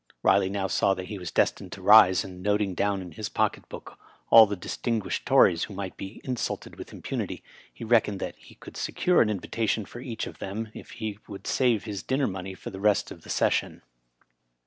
Biley now saw that he was destined to rise, and noting down in his pocket book all the distin^ goished Tories who might be insulted with imponitj, he reckoned that if he conld secure an invitation for each of them he would save his dinner money for the rest of the session.